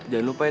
jangan lupa ya